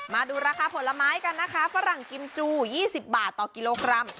มาดูราคาผลไม้กันนะคะฝรั่งกิมจู๒๐บาทต่อกิโลกรัม